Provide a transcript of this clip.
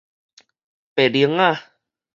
白翎鷥